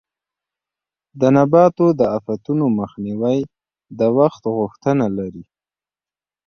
د نباتو د آفتونو مخنیوی د وخت غوښتنه لري.